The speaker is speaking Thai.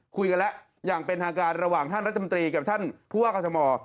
คุยกันแล้วอย่างเป็นทางการระหว่างท่านรัฐมนตรีกับท่านผู้ว่ากรทม